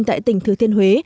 tại tỉnh thứ thiên huế